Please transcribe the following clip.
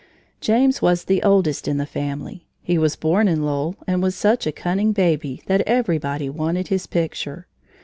James was the oldest in the family. He was born in Lowell and was such a cunning baby that everybody wanted his picture.